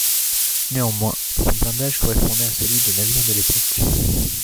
Néanmoins, son blindage correspondait à celui des navires de l'époque.